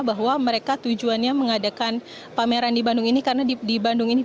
bahwa mereka tujuannya mengadakan pameran di bandung ini karena di bandung ini